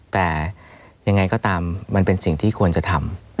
แต่ยังไงก็ตามมันเป็นสิ่งที่ควรจะทำ